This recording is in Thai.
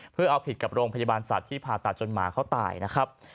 เพื่อเอาผิดกับโรงพยาบาลสัตว์ที่ผ่าตัดจนหมาเขาตายนะครับ